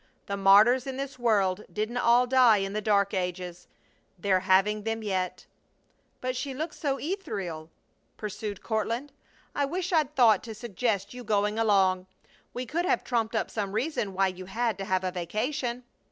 The martyrs in this world didn't all die in the dark ages! They're having them yet!" "But she looks so ethereal!" pursued Courtland. "I wish I'd thought to suggest you going along. We could have trumped up some reason why you had to have a vacation."